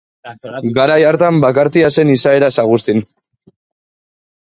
Garai hartan bakartia zen izaeraz Augustin.